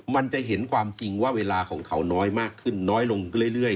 มันจะเห็นความจริงว่าเวลาของเขาน้อยมากขึ้นน้อยลงเรื่อย